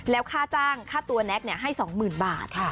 แล้วค่าจ้างค่าตัวแน็กเนี่ยให้๒๐๐๐๐บาทค่ะ